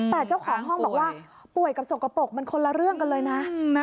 แต่เจ้าของห้องบอกว่าป่วยกับสกปรกมันคนละเรื่องกันเลยนะ